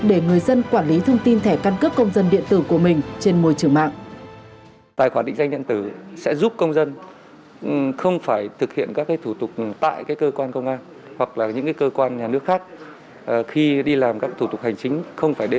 để người dân quản lý thông tin thẻ căn cước công dân điện tử của mình trên môi trường mạng